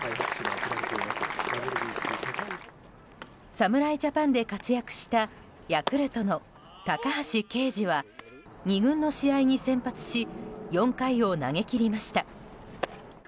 侍ジャパンで活躍したヤクルトの高橋奎二は２軍の試合に先発し４回を投げ切りました。